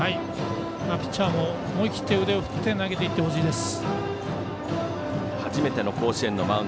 ピッチャーも思い切って腕を振って投げていってほしいです。